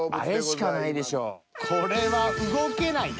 これは動けないよ。